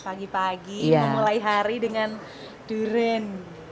pagi pagi memulai hari dengan durian